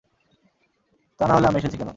তা নাহলে আমি এসেছি কেন?